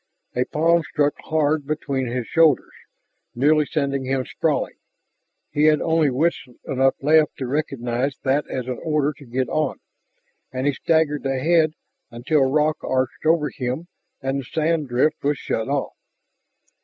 A palm struck hard between his shoulders, nearly sending him sprawling. He had only wits enough left to recognize that as an order to get on, and he staggered ahead until rock arched over him and the sand drift was shut off.